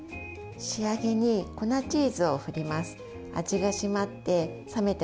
仕上げに、粉チーズを振ります。